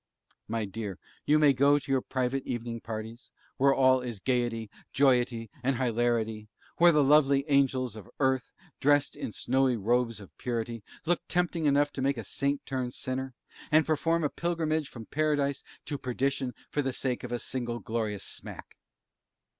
My dear, you may go to your private evening parties, where all is gaiety, joiety, and hilarity where the lovely angels of earth, dressed in the snowy robes of purity, look tempting enough to make a saint turn sinner, and perform a pilgrimage from paradise to perdition, for the sake of a single glorious smack.